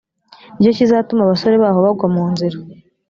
ni cyo kizatuma abasore baho bagwa mu nzira